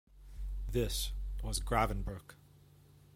This was Gravenbruch.